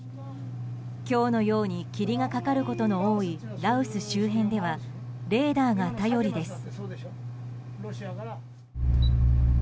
今日のように霧がかかることの多い羅臼周辺ではレーダーが頼りです。